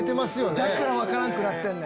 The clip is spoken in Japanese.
だから分からんくなってんねん。